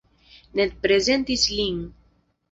Ned prezentis lin.